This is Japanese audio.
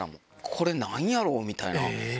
これ、なんやろうみたいな。